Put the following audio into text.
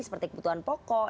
seperti kebutuhan pokok